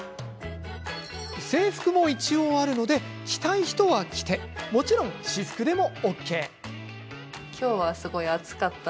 一応、制服はあるので着たい人は着てもちろん私服でもＯＫ。